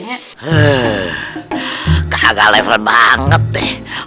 huuuh kagak level banget deh